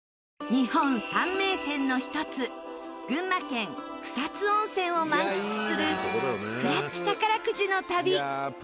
日本三名泉の一つ群馬県草津温泉を満喫するスクラッチ宝くじの旅。